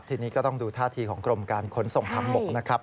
ทีนี้ก็ต้องดูท่าทีของกรมการขนส่งทางบกนะครับ